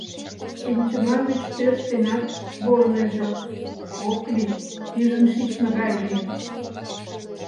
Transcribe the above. Шинчыма гыч тӧрштенат волынеже — ок лий, пижын шичме гай лийын...